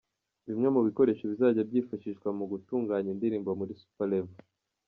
Bimwe mu bikoresho bizajya byifashishwa mu gutunganya indirimbo muri Super Level.